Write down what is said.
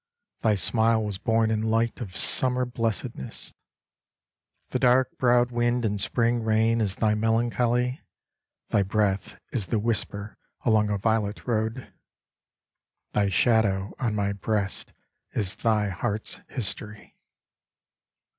Thy smile was born in light of summer blessedness ; The dark browed wind in Spring rain is thy melancholy : Thy breath is the whisper along a violet road ; Thy shadow on my breast is thy heart's history.